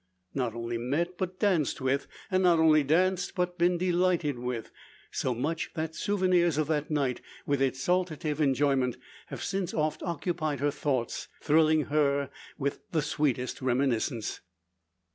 Not only met, but danced with; and not only danced but been delighted with; so much, that souvenirs of that night, with its saltative enjoyment, have since oft occupied her thoughts, thrilling her with sweetest reminiscence.